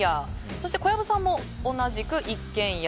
そして小籔さんも同じく一軒家。